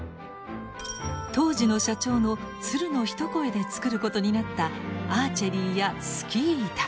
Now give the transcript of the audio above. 当時の社長の鶴の一声で作ることになったアーチェリーやスキー板。